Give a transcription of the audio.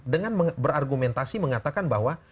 dengan berargumentasi mengatakan bahwa